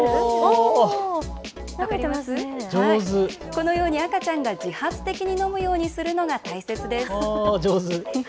このように赤ちゃんが自発的に飲むようにするのが大切です。